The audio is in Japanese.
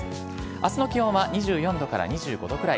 あすの気温は２４度から２５度くらい。